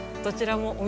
どちらも。